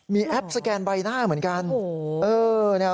มีแอปสแกนใบหน้าเหมือนกัน